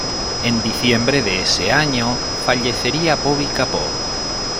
En diciembre de ese año fallecería Bobby Capó.